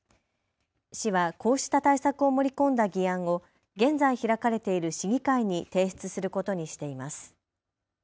市はこうした対策を盛り込んだ議案を現在開かれている市議会に提出することにしています。